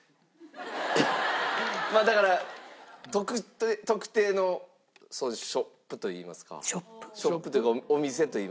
まあだから特定のショップといいますかショップというかお店といいますか。